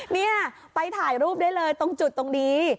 นี่ไปถ่ายรูปได้เลยตรงจุดตรงนี้